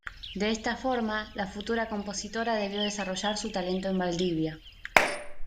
De esta forma, la futura compositora debió desarrollar su talento en Valdivia.